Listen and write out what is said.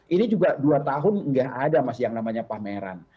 ini juga dua tahun nggak ada mas yang namanya pameran